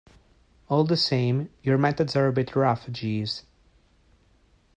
All the same, your methods are a bit rough, Jeeves.